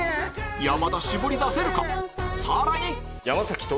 山田絞り出せるか⁉さらに！